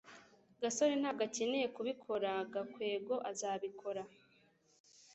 gasore ntabwo akeneye kubikora. gakwego azabikora